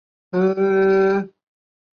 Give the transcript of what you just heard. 或是会在棺材中离开。